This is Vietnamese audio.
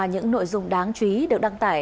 những nội dung đáng chú ý được đăng tải